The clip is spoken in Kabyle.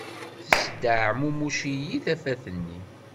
Tesdeɛmumec-iyi tafat-nni